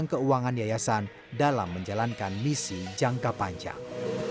untuk menunjang keuangan yayasan dalam menjalankan misi jangka panjang